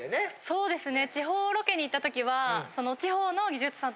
そうですね。